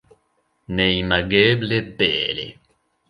Neimageble bele.